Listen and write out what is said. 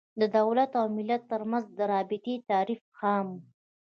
د دولت او ملت تر منځ د رابطې تعریف خام و.